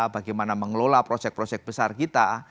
bagaimana mengelola proyek proyek besar kita